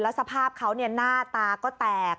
แล้วสภาพเขาน่าตาก็แตก